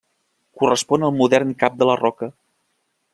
Correspon al modern Cap de la Roca.